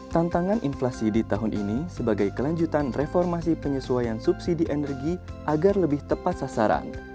tantangan inflasi di tahun ini sebagai kelanjutan reformasi penyesuaian subsidi energi agar lebih tepat sasaran